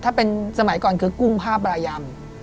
ถ้าเป็นสมัยก่อนคือกุ้งผ้าบรายำ